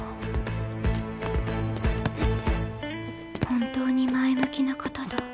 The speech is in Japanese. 本当に前向きな方だ。